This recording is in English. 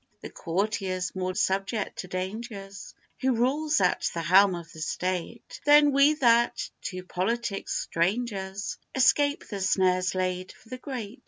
The courtier's more subject to dangers, Who rules at the helm of the state, Than we that, to politics strangers, Escape the snares laid for the great.